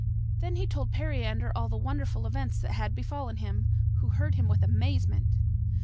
Then he told Periander all the wonderful events that had befallen him, who heard him with amazement.